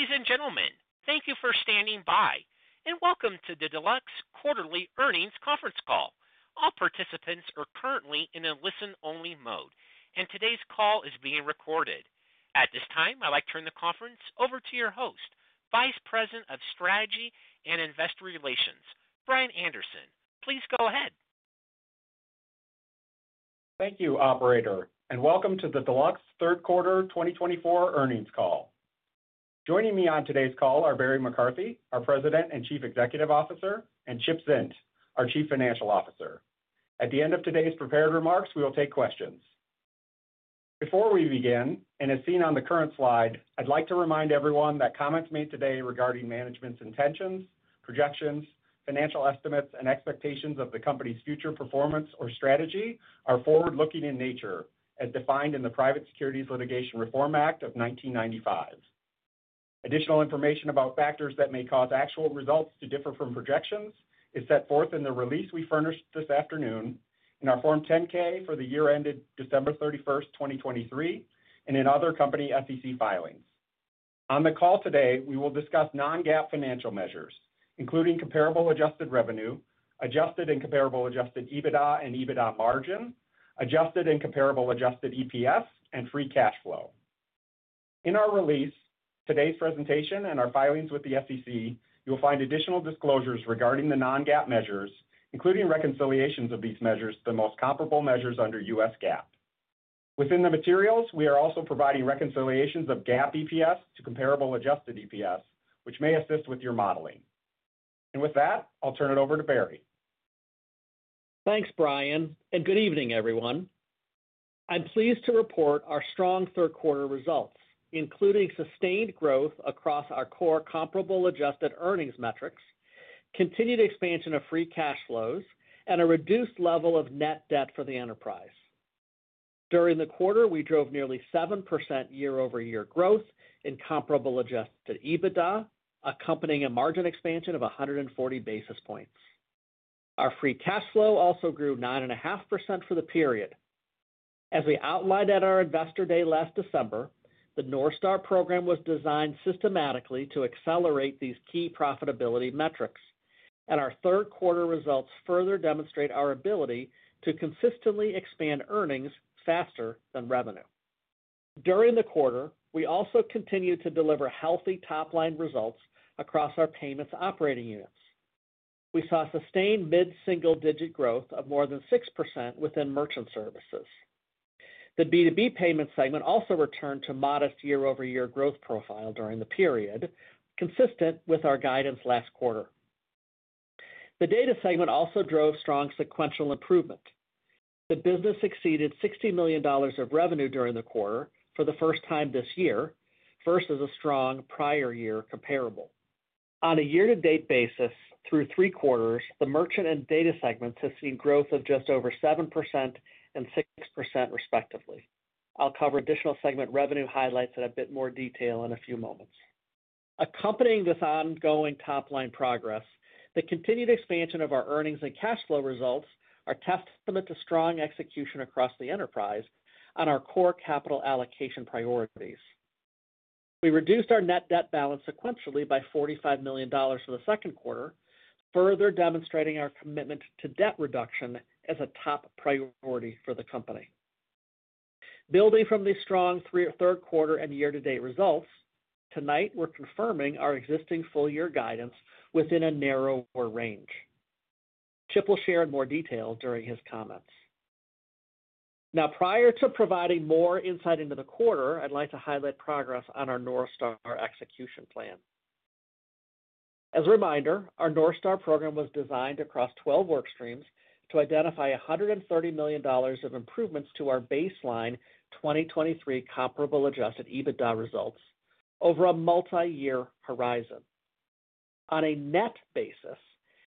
Ladies and gentlemen, thank you for standing by, and welcome to the Deluxe Quarterly Earnings Conference Call. All participants are currently in a listen-only mode, and today's call is being recorded. At this time, I'd like to turn the conference over to your host, Vice President of Strategy and Investor Relations, Brian Anderson. Please go ahead. Thank you, Operator, and welcome to the Deluxe Third Quarter 2024 Earnings Call. Joining me on today's call are Barry McCarthy, our President and Chief Executive Officer, and Chip Zint, our Chief Financial Officer. At the end of today's prepared remarks, we will take questions. Before we begin, and as seen on the current slide, I'd like to remind everyone that comments made today regarding management's intentions, projections, financial estimates, and expectations of the company's future performance or strategy are forward-looking in nature, as defined in the Private Securities Litigation Reform Act of 1995. Additional information about factors that may cause actual results to differ from projections is set forth in the release we furnished this afternoon, in our Form 10-K for the year ended December 31, 2023, and in other company SEC filings. On the call today, we will discuss non-GAAP financial measures, including comparable adjusted revenue, adjusted and comparable adjusted EBITDA and EBITDA margin, adjusted and comparable adjusted EPS, and free cash flow. In our release, today's presentation, and our filings with the SEC, you'll find additional disclosures regarding the non-GAAP measures, including reconciliations of these measures, the most comparable measures under U.S. GAAP. Within the materials, we are also providing reconciliations of GAAP EPS to comparable adjusted EPS, which may assist with your modeling. And with that, I'll turn it over to Barry. Thanks, Brian, and good evening, everyone. I'm pleased to report our strong third-quarter results, including sustained growth across our core comparable adjusted earnings metrics, continued expansion of free cash flows, and a reduced level of net debt for the enterprise. During the quarter, we drove nearly 7% year-over-year growth in comparable Adjusted EBITDA, accompanying a margin expansion of 140 basis points. Our free cash flow also grew 9.5% for the period. As we outlined at our Investor Day last December, the North Star Program was designed systematically to accelerate these key profitability metrics, and our third-quarter results further demonstrate our ability to consistently expand earnings faster than revenue. During the quarter, we also continued to deliver healthy top-line results across our payments operating units. We saw sustained mid-single-digit growth of more than 6% within Merchant Services. The B2B payments segment also returned to modest year-over-year growth profile during the period, consistent with our guidance last quarter. The data segment also drove strong sequential improvement. The business exceeded $60 million of revenue during the quarter for the first time this year, versus a strong prior year comparable. On a year-to-date basis, through three quarters, the merchant and data segments have seen growth of just over 7% and 6%, respectively. I'll cover additional segment revenue highlights in a bit more detail in a few moments. Accompanying this ongoing top-line progress, the continued expansion of our earnings and cash flow results are testament to strong execution across the enterprise on our core capital allocation priorities. We reduced our net debt balance sequentially by $45 million for the second quarter, further demonstrating our commitment to debt reduction as a top priority for the company. Building from these strong third-quarter and year-to-date results, tonight we're confirming our existing full-year guidance within a narrower range. Chip will share in more detail during his comments. Now, prior to providing more insight into the quarter, I'd like to highlight progress on our North Star execution plan. As a reminder, our North Star Program was designed across 12 workstreams to identify $130 million of improvements to our baseline 2023 comparable adjusted EBITDA results over a multi-year horizon. On a net basis,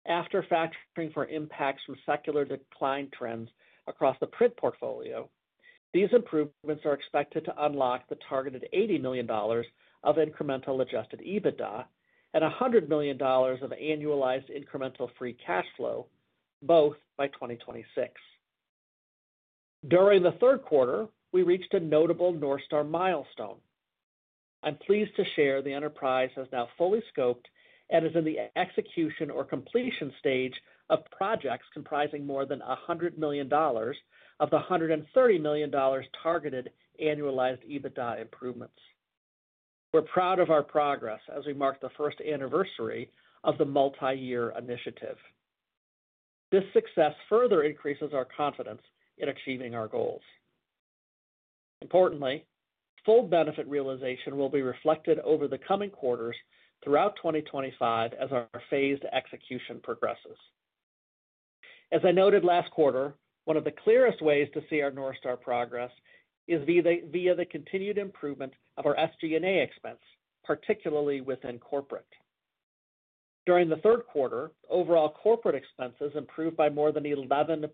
after factoring for impacts from secular decline trends across the print portfolio, these improvements are expected to unlock the targeted $80 million of incremental adjusted EBITDA and $100 million of annualized incremental free cash flow, both by 2026. During the third quarter, we reached a notable North Star milestone. I'm pleased to share the enterprise has now fully scoped and is in the execution or completion stage of projects comprising more than $100 million of the $130 million targeted annualized EBITDA improvements. We're proud of our progress as we mark the first anniversary of the multi-year initiative. This success further increases our confidence in achieving our goals. Importantly, full benefit realization will be reflected over the coming quarters throughout 2025 as our phased execution progresses. As I noted last quarter, one of the clearest ways to see our North Star progress is via the continued improvement of our SG&A expense, particularly within corporate. During the third quarter, overall corporate expenses improved by more than 11%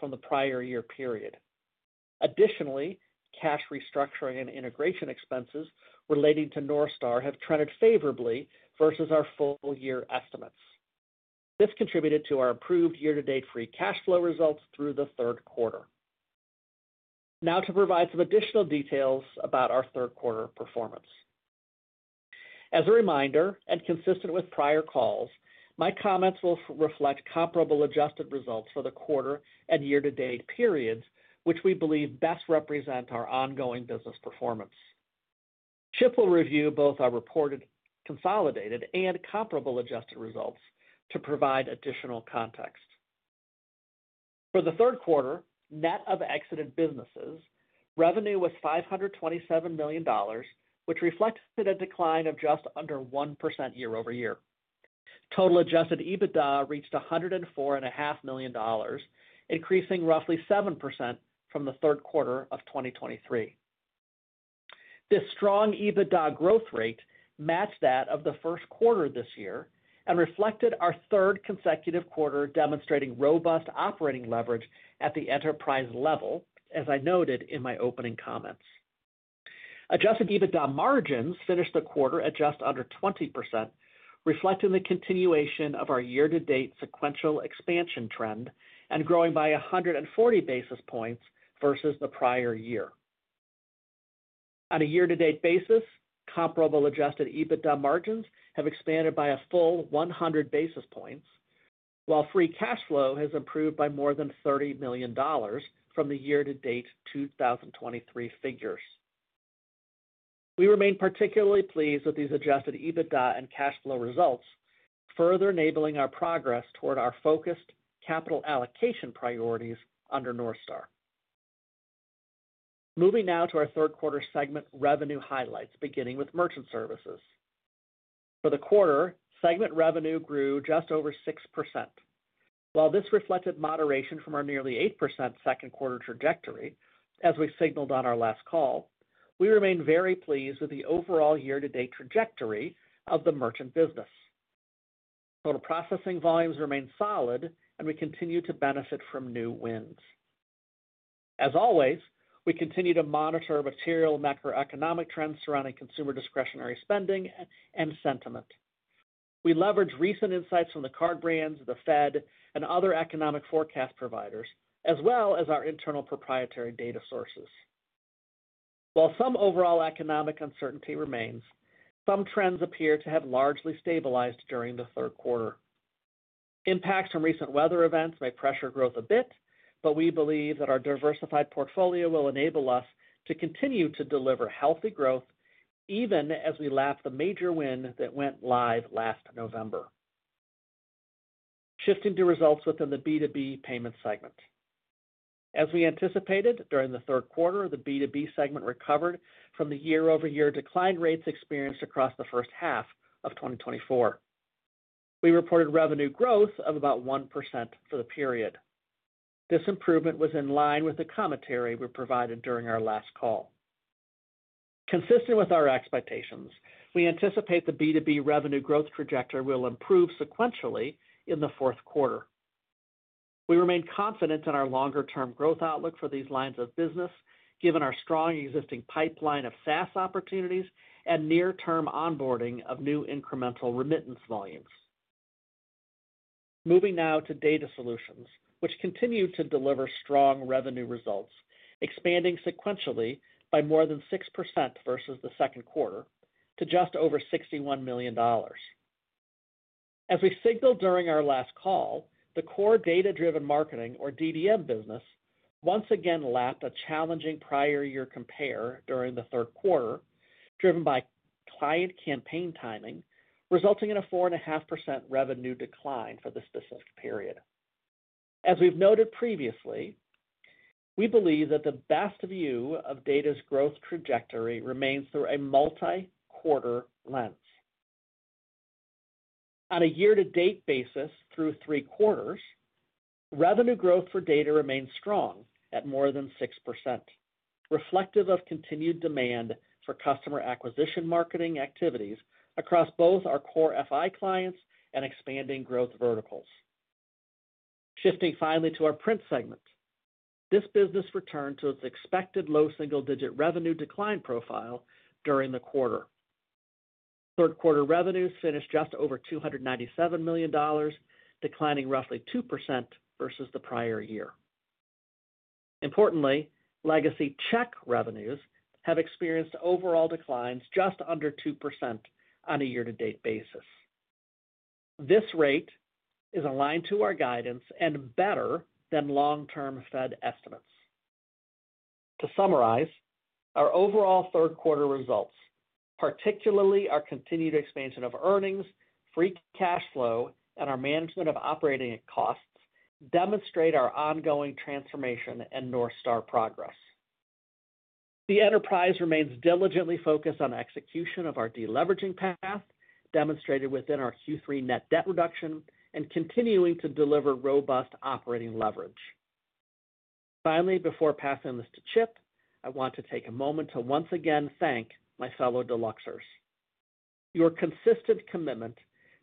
from the prior year period. Additionally, cash restructuring and integration expenses relating to North Star have trended favorably versus our full-year estimates. This contributed to our improved year-to-date free cash flow results through the third quarter. Now, to provide some additional details about our third-quarter performance. As a reminder, and consistent with prior calls, my comments will reflect comparable adjusted results for the quarter and year-to-date periods, which we believe best represent our ongoing business performance. Chip will review both our reported consolidated and comparable adjusted results to provide additional context. For the third quarter, net of exited businesses, revenue was $527 million, which reflected a decline of just under 1% year-over-year. Total adjusted EBITDA reached $104.5 million, increasing roughly 7% from the third quarter of 2023. This strong EBITDA growth rate matched that of the first quarter this year and reflected our third consecutive quarter demonstrating robust operating leverage at the enterprise level, as I noted in my opening comments. Adjusted EBITDA margins finished the quarter at just under 20%, reflecting the continuation of our year-to-date sequential expansion trend and growing by 140 basis points versus the prior year. On a year-to-date basis, comparable adjusted EBITDA margins have expanded by a full 100 basis points, while free cash flow has improved by more than $30 million from the year-to-date 2023 figures. We remain particularly pleased with these adjusted EBITDA and cash flow results, further enabling our progress toward our focused capital allocation priorities under North Star. Moving now to our third-quarter segment revenue highlights, beginning with merchant services. For the quarter, segment revenue grew just over 6%. While this reflected moderation from our nearly 8% second quarter trajectory, as we signaled on our last call, we remain very pleased with the overall year-to-date trajectory of the merchant business. Total processing volumes remain solid, and we continue to benefit from new wins. As always, we continue to monitor material macroeconomic trends surrounding consumer discretionary spending and sentiment. We leverage recent insights from the card brands, the Fed, and other economic forecast providers, as well as our internal proprietary data sources. While some overall economic uncertainty remains, some trends appear to have largely stabilized during the third quarter. Impacts from recent weather events may pressure growth a bit, but we believe that our diversified portfolio will enable us to continue to deliver healthy growth even as we lose the major win that went live last November. Shifting to results within the B2B payments segment. As we anticipated, during the third quarter, the B2B segment recovered from the year-over-year decline rates experienced across the first half of 2024. We reported revenue growth of about 1% for the period. This improvement was in line with the commentary we provided during our last call. Consistent with our expectations, we anticipate the B2B revenue growth trajectory will improve sequentially in the fourth quarter. We remain confident in our longer-term growth outlook for these lines of business, given our strong existing pipeline of SaaS opportunities and near-term onboarding of new incremental remittance volumes. Moving now to data solutions, which continue to deliver strong revenue results, expanding sequentially by more than 6% versus the second quarter to just over $61 million. As we signaled during our last call, the core data-driven marketing, or DDM, business once again lapped a challenging prior-year compare during the third quarter, driven by client campaign timing, resulting in a 4.5% revenue decline for the specific period. As we've noted previously, we believe that the best view of data's growth trajectory remains through a multi-quarter lens. On a year-to-date basis, through three quarters, revenue growth for data remains strong at more than 6%, reflective of continued demand for customer acquisition marketing activities across both our core FI clients and expanding growth verticals. Shifting finally to our print segment, this business returned to its expected low single-digit revenue decline profile during the quarter. Third-quarter revenues finished just over $297 million, declining roughly 2% versus the prior year. Importantly, legacy check revenues have experienced overall declines just under 2% on a year-to-date basis. This rate is aligned to our guidance and better than long-term Fed estimates. To summarize, our overall third-quarter results, particularly our continued expansion of earnings, free cash flow, and our management of operating costs, demonstrate our ongoing transformation and North Star progress. The enterprise remains diligently focused on execution of our deleveraging path, demonstrated within our Q3 net debt reduction, and continuing to deliver robust operating leverage. Finally, before passing this to Chip, I want to take a moment to once again thank my fellow Deluxers. Your consistent commitment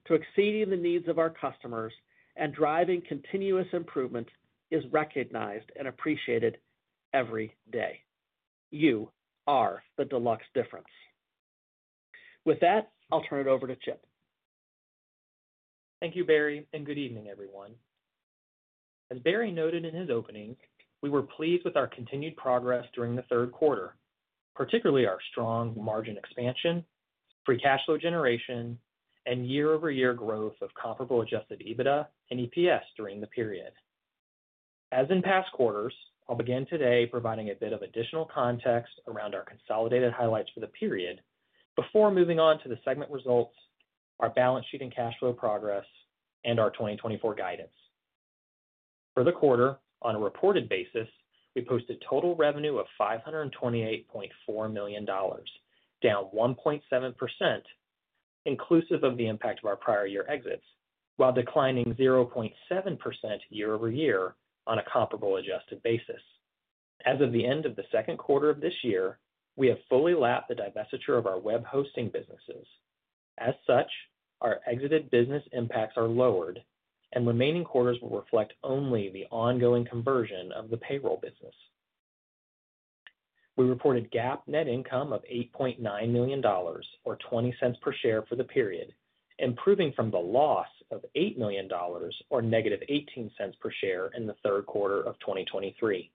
to exceeding the needs of our customers and driving continuous improvement is recognized and appreciated every day. You are the Deluxe Difference. With that, I'll turn it over to Chip. Thank you, Barry, and good evening, everyone. As Barry noted in his opening, we were pleased with our continued progress during the third quarter, particularly our strong margin expansion, free cash flow generation, and year-over-year growth of comparable adjusted EBITDA and EPS during the period. As in past quarters, I'll begin today providing a bit of additional context around our consolidated highlights for the period before moving on to the segment results, our balance sheet and cash flow progress, and our 2024 guidance. For the quarter, on a reported basis, we posted total revenue of $528.4 million, down 1.7%, inclusive of the impact of our prior year exits, while declining 0.7% year-over-year on a comparable adjusted basis. As of the end of the second quarter of this year, we have fully lapped the divestiture of our web hosting businesses. As such, our exited business impacts are lowered, and remaining quarters will reflect only the ongoing conversion of the payroll business. We reported GAAP net income of $8.9 million, or $0.20 per share for the period, improving from the loss of $8 million, or -$0.18 per share in the third quarter of 2023.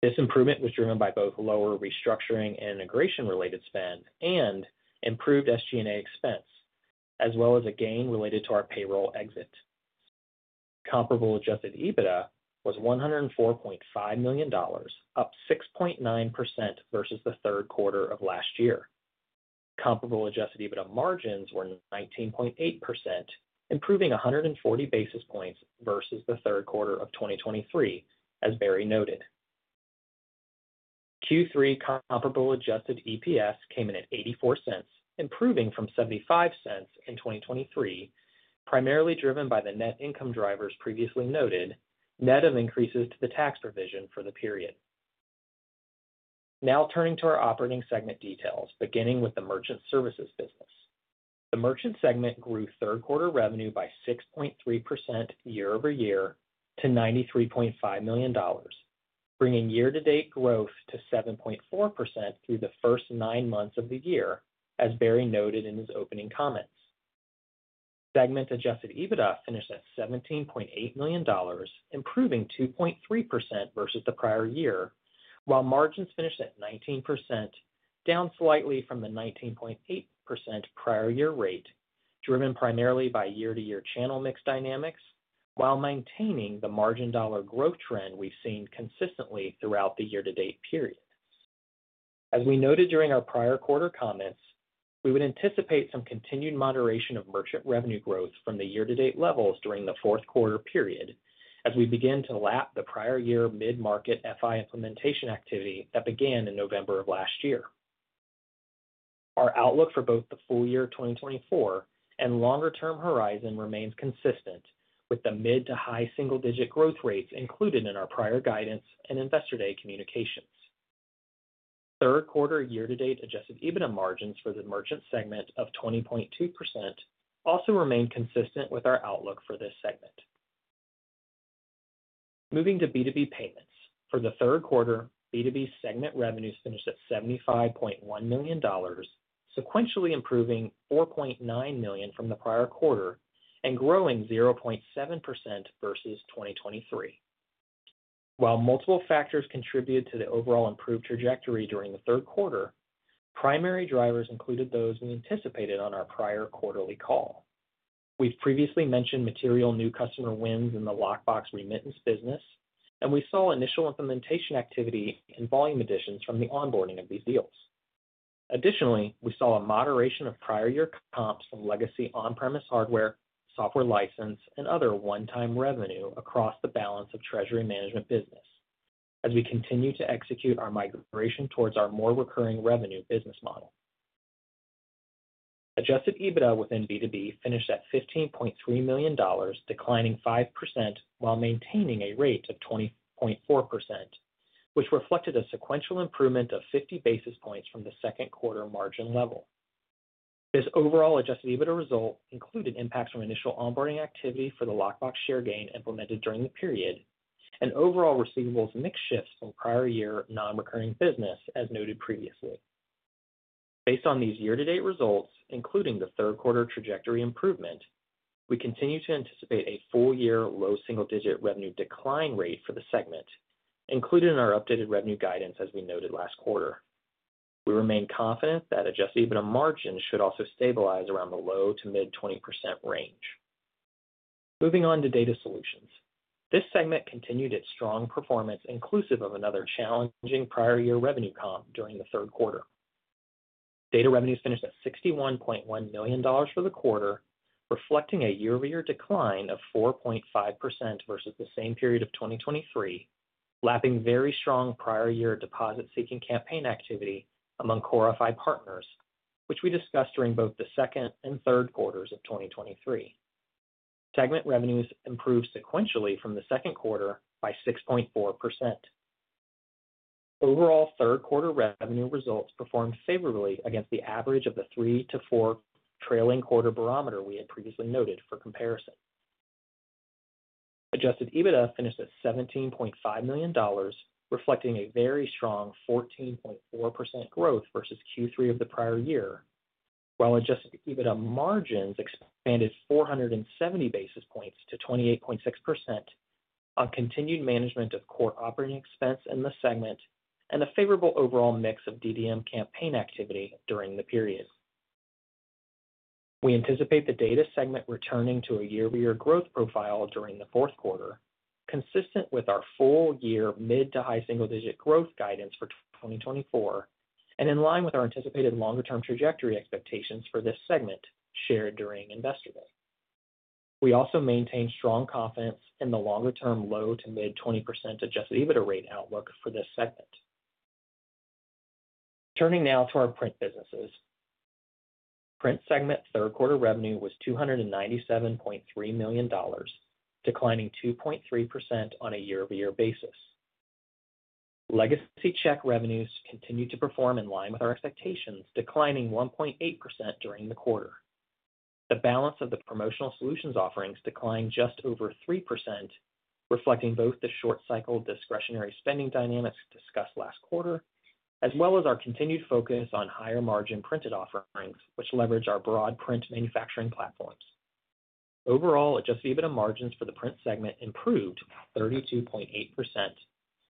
This improvement was driven by both lower restructuring and integration-related spend and improved SG&A expense, as well as a gain related to our payroll exit. Comparable adjusted EBITDA was $104.5 million, up 6.9% versus the third quarter of last year. Comparable adjusted EBITDA margins were 19.8%, improving 140 basis points versus the third quarter of 2023, as Barry noted. Q3 comparable adjusted EPS came in at $0.84, improving from $0.75 in 2023, primarily driven by the net income drivers previously noted, net of increases to the tax provision for the period. Now, turning to our operating segment details, beginning with the merchant services business. The merchant segment grew third-quarter revenue by 6.3% year-over-year to $93.5 million, bringing year-to-date growth to 7.4% through the first nine months of the year, as Barry noted in his opening comments. Segment adjusted EBITDA finished at $17.8 million, improving 2.3% versus the prior year, while margins finished at 19%, down slightly from the 19.8% prior-year rate, driven primarily by year-to-year channel mix dynamics, while maintaining the margin dollar growth trend we've seen consistently throughout the year-to-date period. As we noted during our prior quarter comments, we would anticipate some continued moderation of merchant revenue growth from the year-to-date levels during the fourth quarter period, as we begin to lap the prior year mid-market FI implementation activity that began in November of last year. Our outlook for both the full year 2024 and longer-term horizon remains consistent with the mid to high single-digit growth rates included in our prior guidance and investor day communications. Third-quarter year-to-date adjusted EBITDA margins for the merchant segment of 20.2% also remain consistent with our outlook for this segment. Moving to B2B payments. For the third quarter, B2B segment revenues finished at $75.1 million, sequentially improving $4.9 million from the prior quarter and growing 0.7% versus 2023. While multiple factors contributed to the overall improved trajectory during the third quarter, primary drivers included those we anticipated on our prior quarterly call. We've previously mentioned material new customer wins in the lockbox remittance business, and we saw initial implementation activity and volume additions from the onboarding of these deals. Additionally, we saw a moderation of prior-year comps from legacy on-premise hardware, software license, and other one-time revenue across the balance of treasury management business, as we continue to execute our migration towards our more recurring revenue business model. Adjusted EBITDA within B2B finished at $15.3 million, declining 5% while maintaining a rate of 20.4%, which reflected a sequential improvement of 50 basis points from the second quarter margin level. This overall adjusted EBITDA result included impacts from initial onboarding activity for the Lockbox share gain implemented during the period and overall receivables mix shifts from prior-year non-recurring business, as noted previously. Based on these year-to-date results, including the third-quarter trajectory improvement, we continue to anticipate a full-year low single-digit revenue decline rate for the segment, included in our updated revenue guidance, as we noted last quarter. We remain confident that adjusted EBITDA margins should also stabilize around the low to mid 20% range. Moving on to Data Solutions. This segment continued its strong performance, inclusive of another challenging prior-year revenue comp during the third quarter. Data revenues finished at $61.1 million for the quarter, reflecting a year-over-year decline of 4.5% versus the same period of 2023, lapping very strong prior-year deposit-seeking campaign activity among Core FI partners, which we discussed during both the second and third quarters of 2023. Segment revenues improved sequentially from the second quarter by 6.4%. Overall, third-quarter revenue results performed favorably against the average of the three to four trailing quarter barometer we had previously noted for comparison. Adjusted EBITDA finished at $17.5 million, reflecting a very strong 14.4% growth versus Q3 of the prior year, while adjusted EBITDA margins expanded 470 basis points to 28.6% on continued management of core operating expense in the segment and a favorable overall mix of DDM campaign activity during the period. We anticipate the data segment returning to a year-over-year growth profile during the fourth quarter, consistent with our full-year mid to high single-digit growth guidance for 2024 and in line with our anticipated longer-term trajectory expectations for this segment shared during investor day. We also maintain strong confidence in the longer-term low to mid 20% adjusted EBITDA rate outlook for this segment. Turning now to our Print businesses. Print segment third-quarter revenue was $297.3 million, declining 2.3% on a year-over-year basis. Legacy check revenues continued to perform in line with our expectations, declining 1.8% during the quarter. The balance of the Promotional Solutions offerings declined just over 3%, reflecting both the short-cycle discretionary spending dynamics discussed last quarter, as well as our continued focus on higher margin printed offerings, which leverage our broad print manufacturing platforms. Overall, adjusted EBITDA margins for the Print segment improved 32.8%,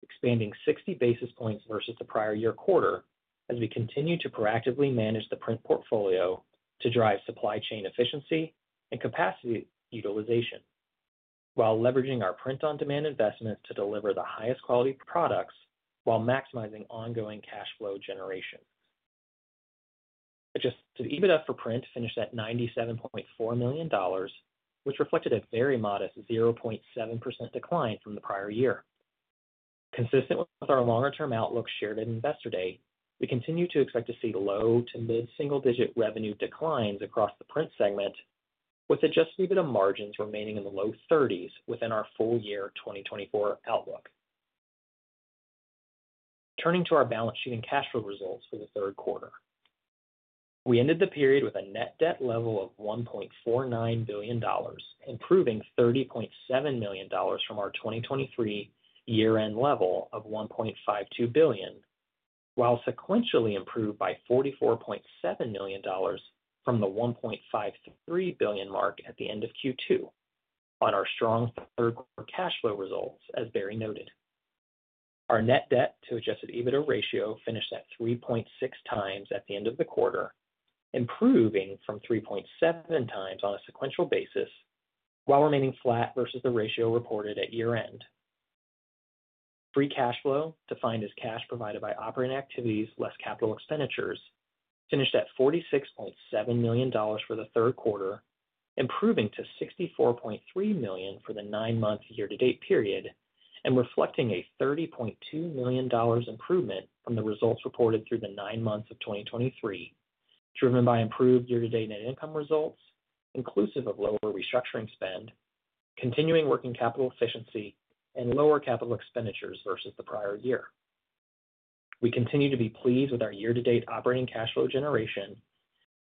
expanding 60 basis points versus the prior-year quarter, as we continue to proactively manage the print portfolio to drive supply chain efficiency and capacity utilization, while leveraging our print-on-demand investments to deliver the highest quality products while maximizing ongoing cash flow generation. adjusted EBITDA for print finished at $97.4 million, which reflected a very modest 0.7% decline from the prior year. Consistent with our longer-term outlook shared at investor day, we continue to expect to see low to mid single-digit revenue declines across the Print segment, with adjusted EBITDA margins remaining in the low 30s within our full year 2024 outlook. Turning to our balance sheet and cash flow results for the third quarter. We ended the period with a net debt level of $1.49 billion, improving $30.7 million from our 2023 year-end level of $1.52 billion, while sequentially improved by $44.7 million from the $1.53 billion mark at the end of Q2 on our strong third-quarter cash flow results, as Barry noted. Our net debt to adjusted EBITDA ratio finished at 3.6 times at the end of the quarter, improving from 3.7 times on a sequential basis, while remaining flat versus the ratio reported at year-end. Free cash flow, defined as cash provided by operating activities less capital expenditures, finished at $46.7 million for the third quarter, improving to $64.3 million for the nine-month year-to-date period and reflecting a $30.2 million improvement from the results reported through the nine months of 2023, driven by improved year-to-date net income results, inclusive of lower restructuring spend, continuing working capital efficiency, and lower capital expenditures versus the prior year. We continue to be pleased with our year-to-date operating cash flow generation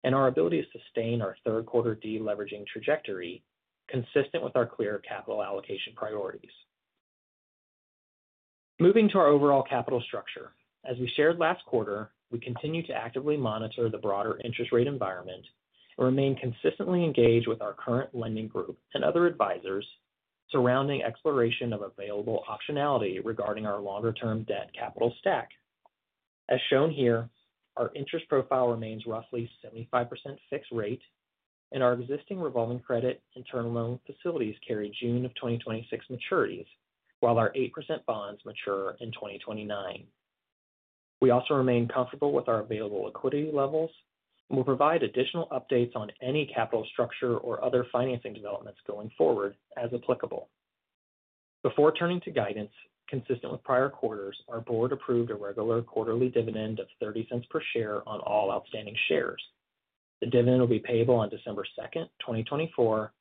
and our ability to sustain our third-quarter deleveraging trajectory, consistent with our clear capital allocation priorities. Moving to our overall capital structure. As we shared last quarter, we continue to actively monitor the broader interest rate environment and remain consistently engaged with our current lending group and other advisors surrounding exploration of available optionality regarding our longer-term debt capital stack. As shown here, our interest profile remains roughly 75% fixed rate, and our existing revolving credit and term loan facilities carry June of 2026 maturities, while our 8% bonds mature in 2029. We also remain comfortable with our available liquidity levels and will provide additional updates on any capital structure or other financing developments going forward, as applicable. Before turning to guidance, consistent with prior quarters, our board approved a regular quarterly dividend of $0.30 per share on all outstanding shares. The dividend will be payable on December 2, 2024,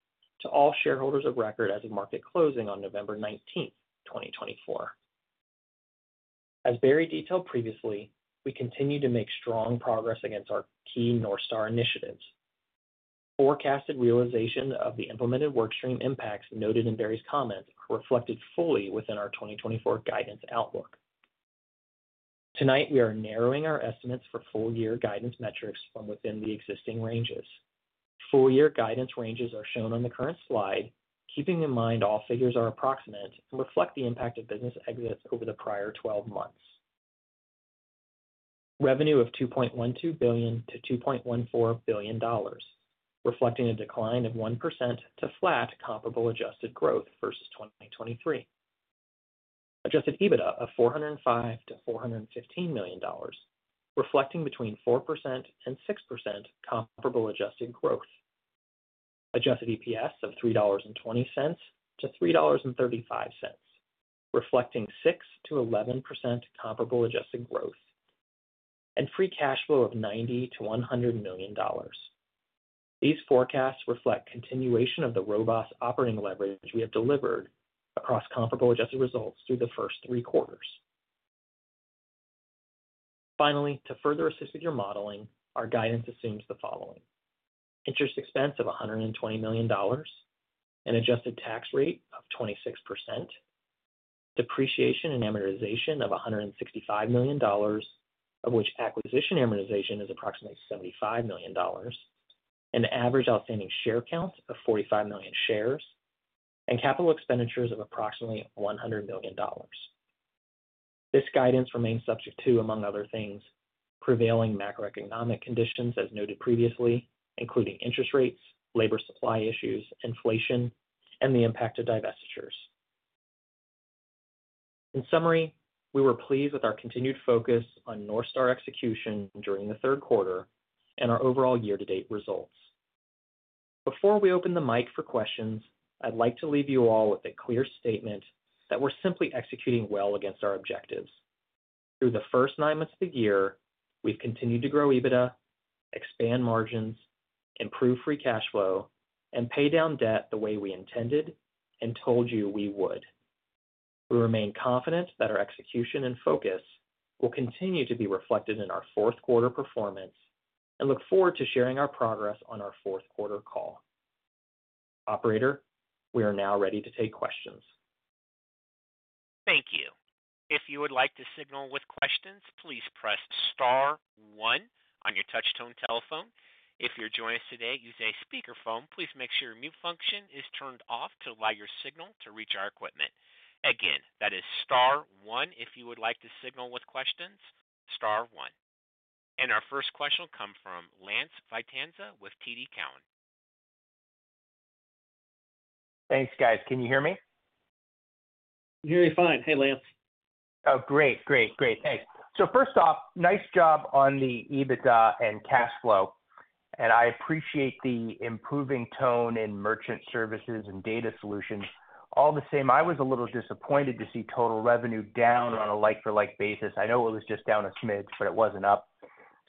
to all shareholders of record as of market closing on November 19, 2024. As Barry detailed previously, we continue to make strong progress against our key North Star initiatives. Forecasted realization of the implemented workstream impacts noted in Barry's comments are reflected fully within our 2024 guidance outlook. Tonight, we are narrowing our estimates for full-year guidance metrics from within the existing ranges. Full-year guidance ranges are shown on the current slide, keeping in mind all figures are approximate and reflect the impact of business exits over the prior 12 months. Revenue of $2.12 billion-$2.14 billion, reflecting a decline of 1% to flat comparable adjusted growth versus 2023. Adjusted EBITDA of $405-$415 million, reflecting between 4% and 6% comparable adjusted growth. Adjusted EPS of $3.20-$3.35, reflecting 6%-11% comparable adjusted growth, and free cash flow of $90-$100 million. These forecasts reflect continuation of the robust operating leverage we have delivered across comparable adjusted results through the first three quarters. Finally, to further assist with your modeling, our guidance assumes the following: interest expense of $120 million, an adjusted tax rate of 26%, depreciation and amortization of $165 million, of which acquisition amortization is approximately $75 million, an average outstanding share count of 45 million shares, and capital expenditures of approximately $100 million. This guidance remains subject to, among other things, prevailing macroeconomic conditions, as noted previously, including interest rates, labor supply issues, inflation, and the impact of divestitures. In summary, we were pleased with our continued focus on North Star execution during the third quarter and our overall year-to-date results. Before we open the mic for questions, I'd like to leave you all with a clear statement that we're simply executing well against our objectives. Through the first nine months of the year, we've continued to grow EBITDA, expand margins, improve free cash flow, and pay down debt the way we intended and told you we would. We remain confident that our execution and focus will continue to be reflected in our fourth quarter performance and look forward to sharing our progress on our fourth quarter call. Operator, we are now ready to take questions. Thank you. If you would like to signal with questions, please press Star 1 on your touchtone telephone. If you're joining us today, use a speakerphone. Please make sure your mute function is turned off to allow your signal to reach our equipment. Again, that is Star 1. If you would like to signal with questions, Star 1. And our first question will come from Lance Vitanza with TD Cowen. Thanks, guys. Can you hear me? Hear you fine. Hey, Lance. Oh, great, great, great. Thanks. So first off, nice job on the EBITDA and cash flow. And I appreciate the improving tone in merchant services and data solutions. All the same, I was a little disappointed to see total revenue down on a like-for-like basis. I know it was just down a smidge, but it wasn't up.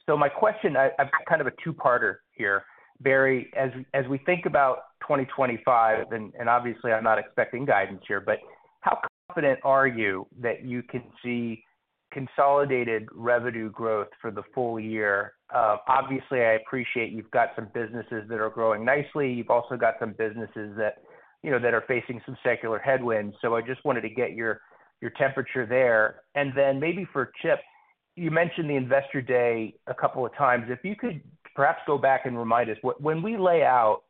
So my question, I've got kind of a two-parter here. Barry, as we think about 2025, and obviously, I'm not expecting guidance here, but how confident are you that you can see consolidated revenue growth for the full year? Obviously, I appreciate you've got some businesses that are growing nicely. You've also got some businesses that are facing some secular headwinds. So I just wanted to get your temperature there. And then maybe for Chip, you mentioned the investor day a couple of times. If you could perhaps go back and remind us, when we lay out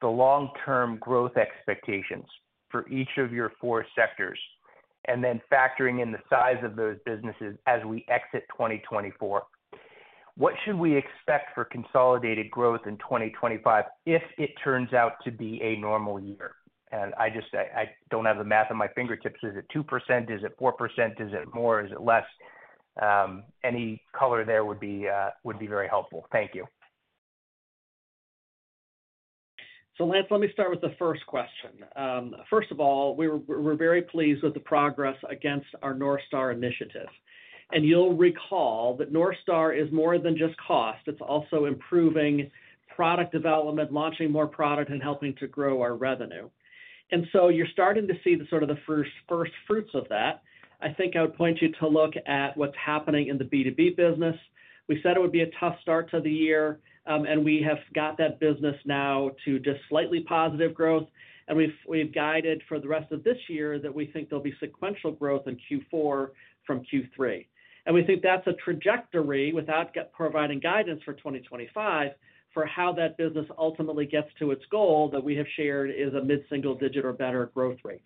the long-term growth expectations for each of your four sectors, and then factoring in the size of those businesses as we exit 2024, what should we expect for consolidated growth in 2025 if it turns out to be a normal year? And I don't have the math on my fingertips. Is it 2%? Is it 4%? Is it more? Is it less? Any color there would be very helpful. Thank you. So Lance, let me start with the first question. First of all, we're very pleased with the progress against our North Star initiative. And you'll recall that North Star is more than just cost. It's also improving product development, launching more product, and helping to grow our revenue. And so you're starting to see sort of the first fruits of that. I think I would point you to look at what's happening in the B2B business. We said it would be a tough start to the year, and we have got that business now to just slightly positive growth. And we've guided for the rest of this year that we think there'll be sequential growth in Q4 from Q3. And we think that's a trajectory without providing guidance for 2025 for how that business ultimately gets to its goal that we have shared is a mid-single digit or better growth rate.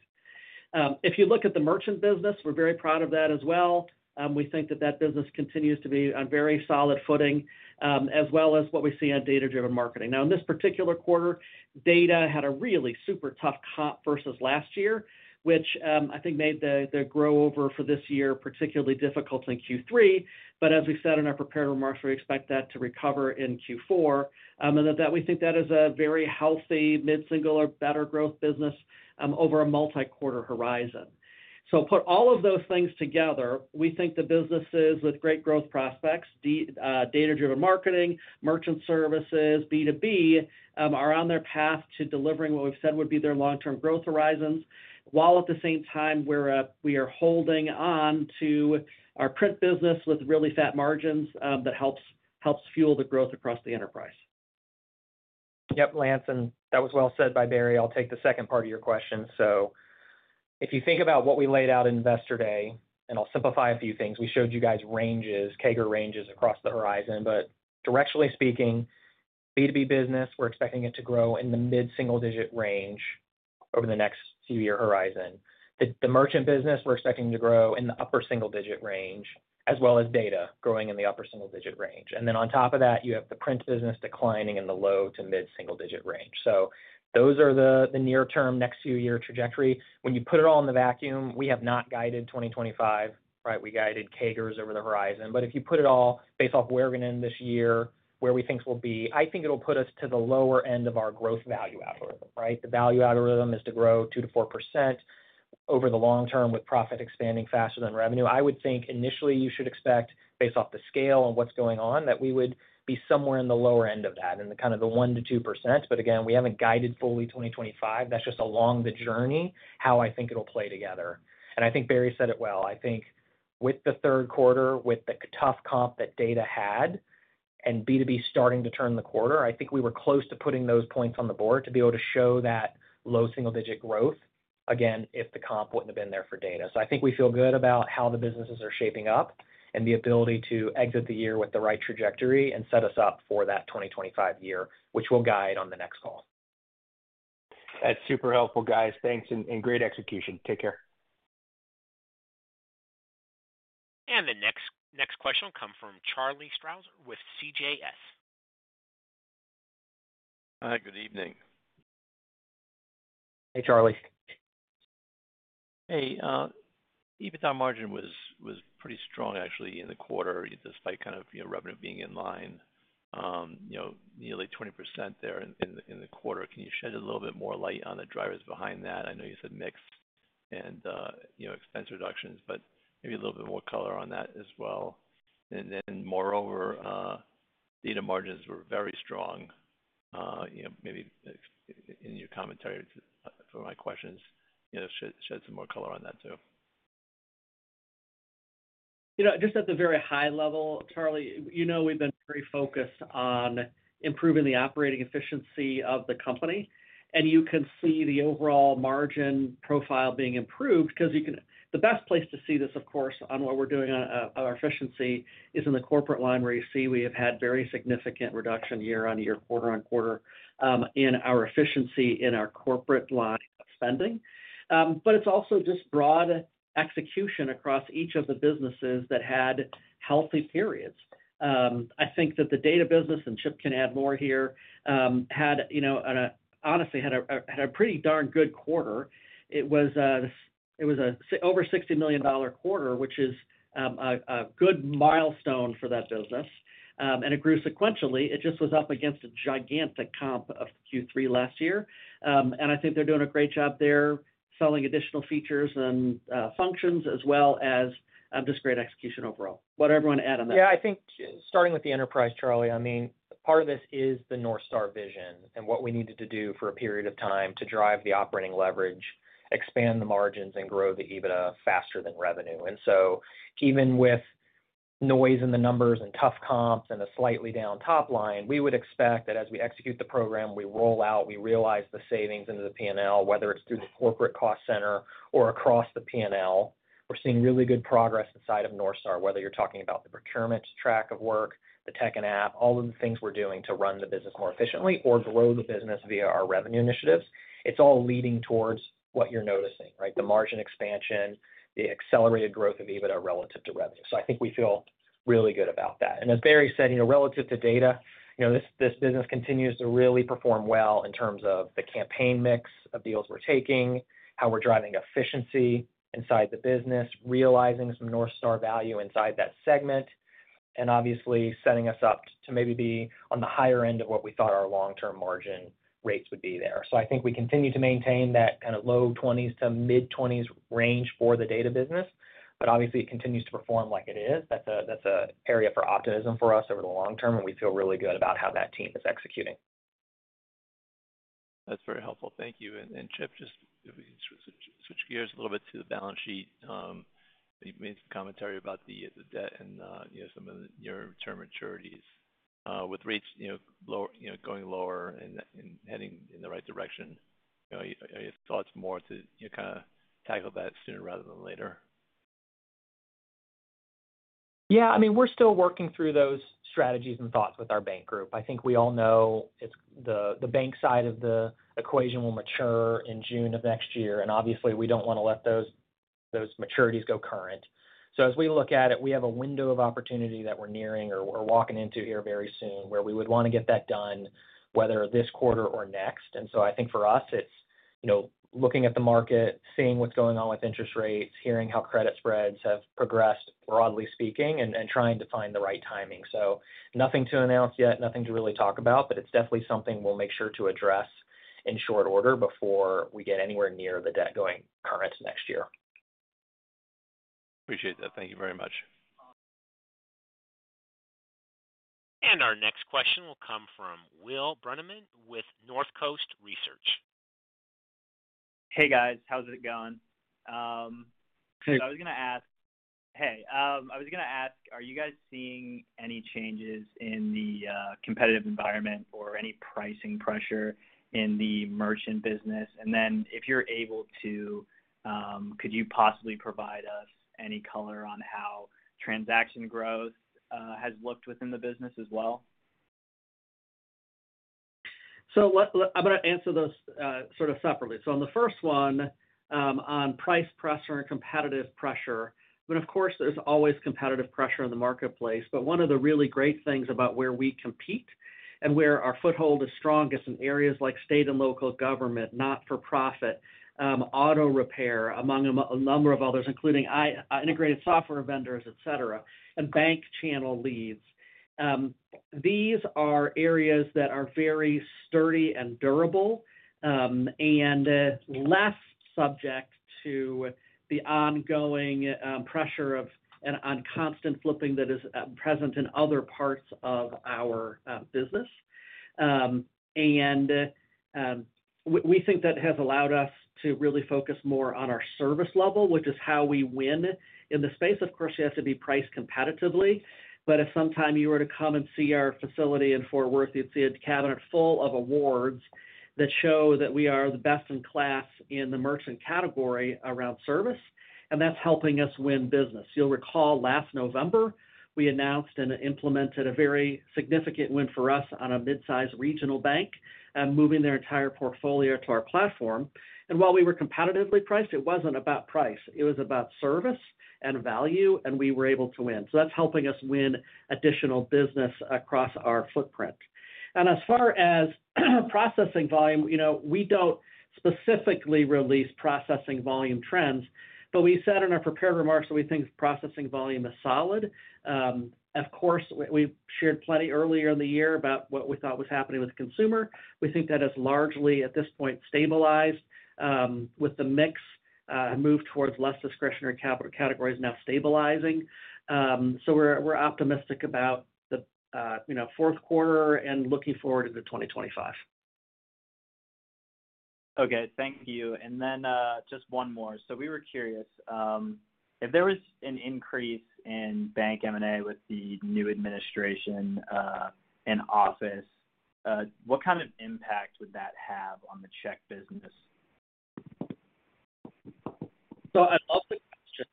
If you look at the merchant business, we're very proud of that as well. We think that that business continues to be on very solid footing, as well as what we see on data-driven marketing. Now, in this particular quarter, data had a really super tough comp versus last year, which I think made the growth over for this year particularly difficult in Q3. But as we said in our prepared remarks, we expect that to recover in Q4. And that we think that is a very healthy mid-single or better growth business over a multi-quarter horizon. So put all of those things together, we think the businesses with great growth prospects, data-driven marketing, merchant services, B2B, are on their path to delivering what we've said would be their long-term growth horizons, while at the same time, we are holding on to our print business with really fat margins that helps fuel the growth across the enterprise. Yep, Lance, and that was well said by Barry. I'll take the second part of your question. So if you think about what we laid out at investor day, and I'll simplify a few things, we showed you guys ranges, CAGR ranges across the horizon. But directionally speaking, B2B business, we're expecting it to grow in the mid-single digit range over the next few-year horizon. The merchant business, we're expecting to grow in the upper single digit range, as well as data growing in the upper single digit range. And then on top of that, you have the print business declining in the low to mid-single digit range. So those are the near-term next few-year trajectory. When you put it all in the vacuum, we have not guided 2025, right? We guided CAGRs over the horizon. But if you put it all based off where we're going to end this year, where we think we'll be, I think it'll put us to the lower end of our growth value algorithm, right? The value algorithm is to grow 2%-4% over the long term with profit expanding faster than revenue. I would think initially you should expect, based off the scale and what's going on, that we would be somewhere in the lower end of that, in the kind of the 1%-2%. But again, we haven't guided fully 2025. That's just along the journey how I think it'll play together. And I think Barry said it well. I think with the third quarter, with the tough comp that data had, and B2B starting to turn the quarter, I think we were close to putting those points on the board to be able to show that low single-digit growth, again, if the comp wouldn't have been there for data. So I think we feel good about how the businesses are shaping up and the ability to exit the year with the right trajectory and set us up for that 2025 year, which we'll guide on the next call. That's super helpful, guys. Thanks and great execution. Take care. And the next question will come from Charlie Strauzer with CJS. Hi, good evening. Hey, Charlie. Hey, EBITDA margin was pretty strong, actually, in the quarter, despite kind of revenue being in line, nearly 20% there in the quarter. Can you shed a little bit more light on the drivers behind that? I know you said mix and expense reductions, but maybe a little bit more color on that as well. And then moreover, data margins were very strong. Maybe in your commentary for my questions, shed some more color on that too. Just at the very high level, Charlie, you know we've been very focused on improving the operating efficiency of the company. And you can see the overall margin profile being improved because the best place to see this, of course, on what we're doing on our efficiency is in the corporate line where you see we have had very significant reduction year-on-year, quarter-on-quarter, in our efficiency in our corporate line of spending. But it's also just broad execution across each of the businesses that had healthy periods. I think that the data business, and Chip can add more here, had honestly had a pretty darn good quarter. It was an over $60 million quarter, which is a good milestone for that business. And it grew sequentially. It just was up against a gigantic comp of Q3 last year. And I think they're doing a great job there, selling additional features and functions, as well as just great execution overall. What does everyone add on that? Yeah, I think starting with the enterprise, Charlie, I mean, part of this is the North Star vision and what we needed to do for a period of time to drive the operating leverage, expand the margins, and grow the EBITDA faster than revenue. And so even with noise in the numbers and tough comps and a slightly down top line, we would expect that as we execute the program, we roll out, we realize the savings into the P&L, whether it's through the corporate cost center or across the P&L. We're seeing really good progress inside of North Star, whether you're talking about the procurement track of work, the Tech and Ops, all of the things we're doing to run the business more efficiently or grow the business via our revenue initiatives. It's all leading towards what you're noticing, right? The margin expansion, the accelerated growth of EBITDA relative to revenue. So I think we feel really good about that. And as Barry said, relative to data, this business continues to really perform well in terms of the campaign mix of deals we're taking, how we're driving efficiency inside the business, realizing some North Star value inside that segment, and obviously setting us up to maybe be on the higher end of what we thought our long-term margin rates would be there. So I think we continue to maintain that kind of low-20s to mid-20s range for the data business. But obviously, it continues to perform like it is. That's an area for optimism for us over the long term, and we feel really good about how that team is executing. That's very helpful. Thank you. And Chip, just if we switch gears a little bit to the balance sheet, you made some commentary about the debt and some of the near-term maturities. With rates going lower and heading in the right direction, are your thoughts more to kind of tackle that sooner rather than later? Yeah, I mean, we're still working through those strategies and thoughts with our bank group. I think we all know the bank side of the equation will mature in June of next year. And obviously, we don't want to let those maturities go current. So as we look at it, we have a window of opportunity that we're nearing or we're walking into here very soon where we would want to get that done, whether this quarter or next. And so I think for us, it's looking at the market, seeing what's going on with interest rates, hearing how credit spreads have progressed, broadly speaking, and trying to find the right timing. So nothing to announce yet, nothing to really talk about, but it's definitely something we'll make sure to address in short order before we get anywhere near the debt going current next year. Appreciate that. Thank you very much. And our next question will come from Will Brunemann with North Coast Research. Hey, guys. How's it going? So I was going to ask, are you guys seeing any changes in the competitive environment or any pricing pressure in the merchant business? And then if you're able to, could you possibly provide us any color on how transaction growth has looked within the business as well? So I'm going to answer those sort of separately. So on the first one, on price pressure and competitive pressure, I mean, of course, there's always competitive pressure in the marketplace. But one of the really great things about where we compete and where our foothold is strongest in areas like state and local government, not-for-profit, auto repair, among a number of others, including integrated software vendors, et cetera, and bank channel leads. These are areas that are very sturdy and durable and less subject to the ongoing pressure of and constant flipping that is present in other parts of our business. And we think that has allowed us to really focus more on our service level, which is how we win in the space. Of course, you have to be priced competitively. But if sometime you were to come and see our facility in Fort Worth, you'd see a cabinet full of awards that show that we are the best in class in the merchant category around service. And that's helping us win business. You'll recall last November, we announced and implemented a very significant win for us on a mid-size regional bank and moving their entire portfolio to our platform. And while we were competitively priced, it wasn't about price. It was about service and value, and we were able to win. So that's helping us win additional business across our footprint. And as far as processing volume, we don't specifically release processing volume trends, but we said in our prepared remarks that we think processing volume is solid. Of course, we shared plenty earlier in the year about what we thought was happening with consumer. We think that has largely, at this point, stabilized with the mix and moved towards less discretionary categories now stabilizing. So we're optimistic about the fourth quarter and looking forward to 2025. Okay. Thank you. And then just one more. So we were curious, if there was an increase in bank M&A with the new administration in office, what kind of impact would that have on the CHEQ business? So I love the question.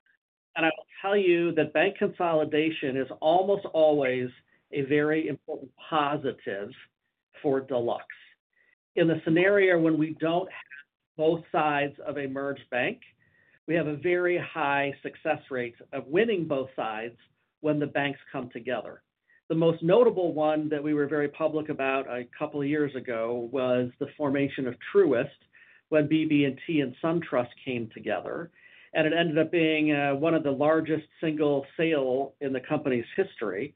And I will tell you that bank consolidation is almost always a very important positive for Deluxe. In the scenario when we don't have both sides of a merged bank, we have a very high success rate of winning both sides when the banks come together. The most notable one that we were very public about a couple of years ago was the formation of Truist when BB&T and SunTrust came together. And it ended up being one of the largest single sale in the company's history.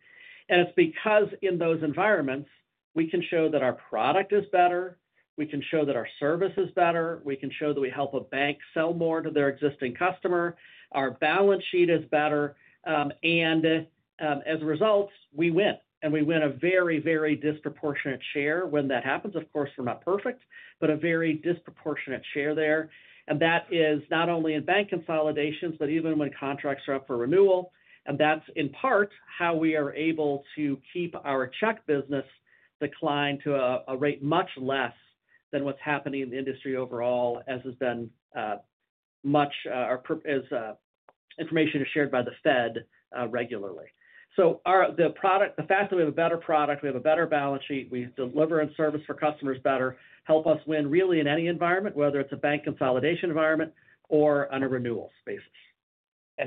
And it's because in those environments, we can show that our product is better. We can show that our service is better. We can show that we help a bank sell more to their existing customer. Our balance sheet is better, and as a result, we win and we win a very, very disproportionate share. When that happens, of course, we're not perfect, but a very disproportionate share there, and that is not only in bank consolidations, but even when contracts are up for renewal, and that's in part how we are able to keep our CHEQ business declined to a rate much less than what's happening in the industry overall, as much as information is shared by the Fed regularly. So the fact that we have a better product, we have a better balance sheet, we deliver and service for customers better, help us win really in any environment, whether it's a bank consolidation environment or on a renewal basis.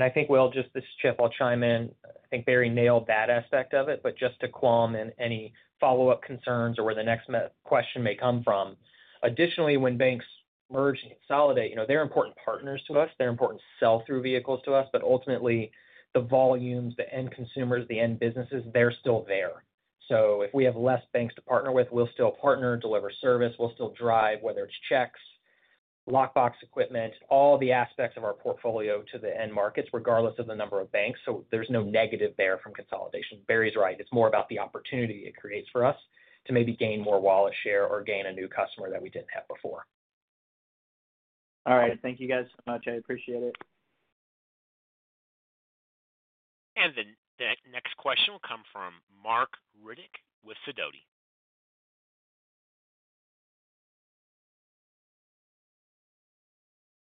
I think, well, just this, Chip, I'll chime in. I think Barry nailed that aspect of it. But just to quell any follow-up concerns or where the next question may come from, additionally, when banks merge and consolidate, they're important partners to us. They're important sell-through vehicles to us. But ultimately, the volumes, the end consumers, the end businesses, they're still there. So if we have less banks to partner with, we'll still partner, deliver service. We'll still drive, whether it's checks, lockbox equipment, all the aspects of our portfolio to the end markets, regardless of the number of banks. So there's no negative there from consolidation. Barry's right. It's more about the opportunity it creates for us to maybe gain more wallet share or gain a new customer that we didn't have before. All right. Thank you guys so much. I appreciate it. The next question will come from Marc Riddick with Sidoti.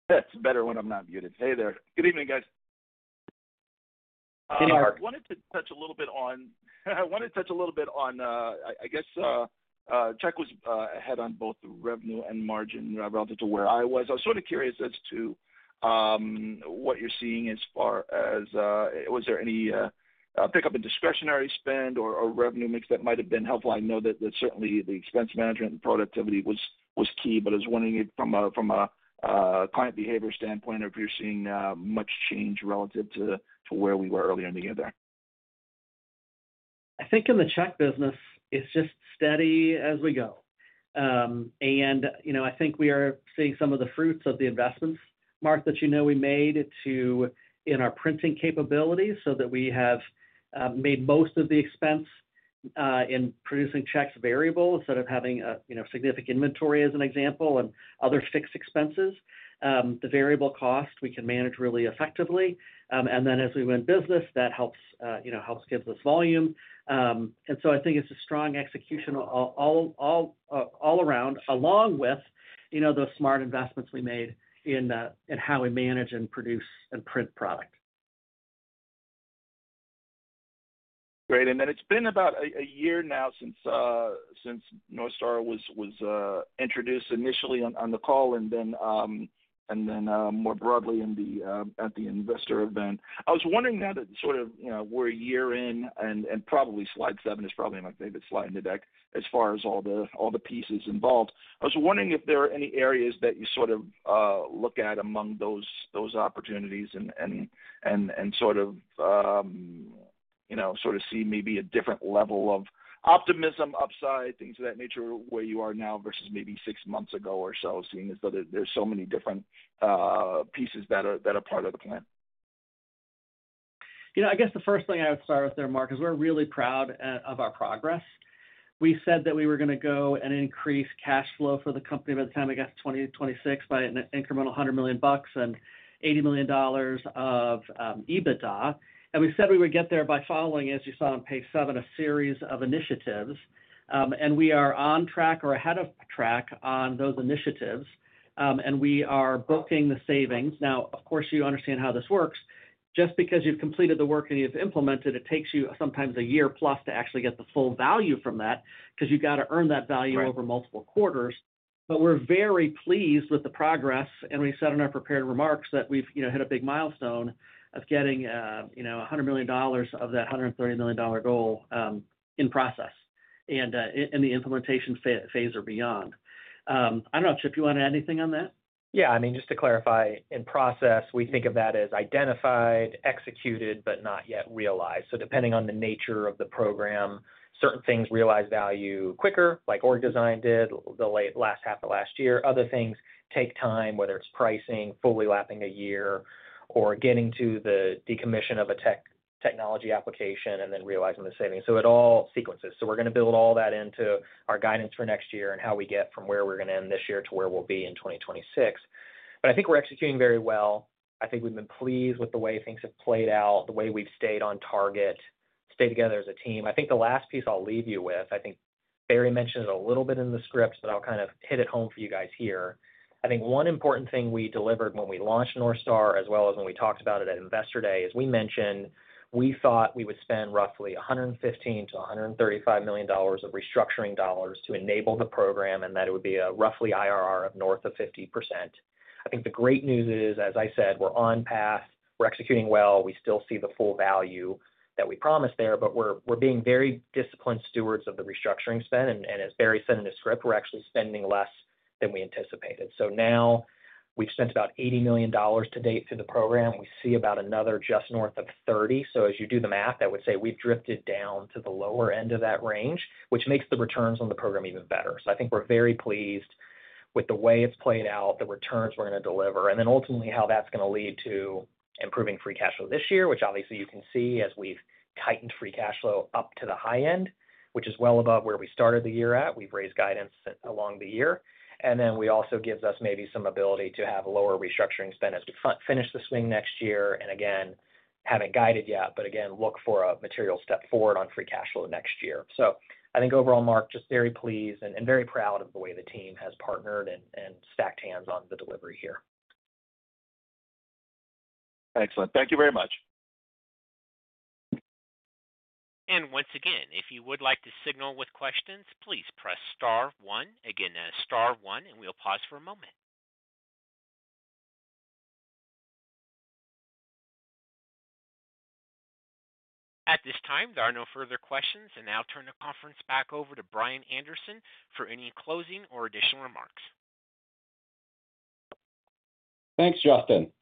That's better when I'm not muted. Hey there. Good evening, guys. Hey, Marc. I wanted to touch a little bit on, I guess, CHEQ was ahead on both the revenue and margin relative to where I was. I was sort of curious as to what you're seeing as far as was there any pickup in discretionary spend or revenue mix that might have been helpful? I know that certainly the expense management and productivity was key, but I was wondering from a client behavior standpoint if you're seeing much change relative to where we were earlier in the year. I think in the CHEQ business, it's just steady as we go. And I think we are seeing some of the fruits of the investments, Marc, that we made in our printing capabilities so that we have made most of the expense in producing checks variable instead of having significant inventory, as an example, and other fixed expenses. The variable cost, we can manage really effectively. And then as we win business, that helps give us volume. And so I think it's a strong execution all around, along with those smart investments we made in how we manage and produce and print product. Great. And then it's been about a year now since North Star was introduced initially on the call and then more broadly at the investor event. I was wondering now that sort of we're a year in, and probably slide seven is probably my favorite slide in the deck as far as all the pieces involved. I was wondering if there are any areas that you sort of look at among those opportunities and sort of see maybe a different level of optimism, upside, things of that nature where you are now versus maybe six months ago or so, seeing as there's so many different pieces that are part of the plan? I guess the first thing I would start with there, Marc, is we're really proud of our progress. We said that we were going to go and increase cash flow for the company by the time, I guess, 2026 by an incremental $100 million bucks and $80 million dollars of EBITDA. And we said we would get there by following, as you saw on page seven, a series of initiatives. And we are on track or ahead of track on those initiatives. And we are booking the savings. Now, of course, you understand how this works. Just because you've completed the work and you've implemented it, it takes you sometimes a year plus to actually get the full value from that because you've got to earn that value over multiple quarters. But we're very pleased with the progress. And we said in our prepared remarks that we've hit a big milestone of getting $100 million of that $130 million goal in process and in the implementation phase or beyond. I don't know, Chip, you want to add anything on that? Yeah. I mean, just to clarify, in process, we think of that as identified, executed, but not yet realized. So depending on the nature of the program, certain things realize value quicker, like org design did the last half of last year. Other things take time, whether it's pricing, fully lapping a year, or getting to the decommission of a technology application and then realizing the savings. So it all sequences. So we're going to build all that into our guidance for next year and how we get from where we're going to end this year to where we'll be in 2026. But I think we're executing very well. I think we've been pleased with the way things have played out, the way we've stayed on target, stayed together as a team. I think the last piece I'll leave you with, I think Barry mentioned it a little bit in the script, but I'll kind of hit it home for you guys here. I think one important thing we delivered when we launched North Star, as well as when we talked about it at Investor Day, is we mentioned we thought we would spend roughly $115 million-$135 million of restructuring dollars to enable the program and that it would be a roughly IRR of north of 50%. I think the great news is, as I said, we're on path. We're executing well. We still see the full value that we promised there, but we're being very disciplined stewards of the restructuring spend, and as Barry said in his script, we're actually spending less than we anticipated. So now we've spent about $80 million to date through the program. We see about another just north of 30. As you do the math, I would say we've drifted down to the lower end of that range, which makes the returns on the program even better. I think we're very pleased with the way it's played out, the returns we're going to deliver, and then ultimately how that's going to lead to improving free cash clow this year, which obviously you can see as we've tightened free cash flow up to the high end, which is well above where we started the year at. We've raised guidance along the year. We also gives us maybe some ability to have lower restructuring spend as we finish the swing next year and again, haven't guided yet, but again, look for a material step forward on free cash flow next year. So I think overall, Marc, just very pleased and very proud of the way the team has partnered and stacked hands on the delivery here. Excellent. Thank you very much. And once again, if you would like to signal with questions, please press star one, again, star one, and we'll pause for a moment. At this time, there are no further questions, and I'll turn the conference back over to Brian Anderson for any closing or additional remarks. Thanks, Justin.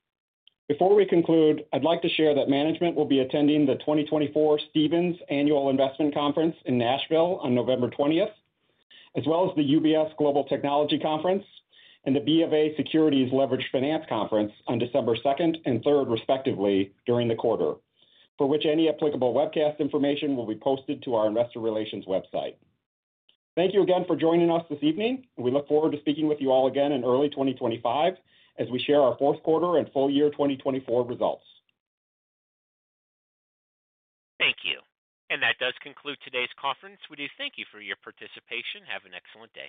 Before we conclude, I'd like to share that management will be attending the 2024 Stephens Annual Investment Conference in Nashville on November 20th, as well as the UBS Global Technology Conference and the BofA Securities Leveraged Finance Conference on December 2nd and 3rd, respectively, during the quarter, for which any applicable webcast information will be posted to our investor relations website. Thank you again for joining us this evening. We look forward to speaking with you all again in early 2025 as we share our fourth quarter and full year 2024 results. Thank you, and that does conclude today's conference. We do thank you for your participation. Have an excellent day.